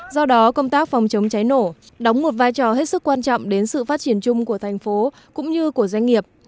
do đó công tác phòng chống cháy nổ đóng một vai trò hết sức quan trọng đến sự phát triển chung của thành phố cũng như của doanh nghiệp